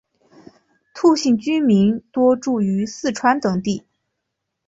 兔姓居民多住于四川等地。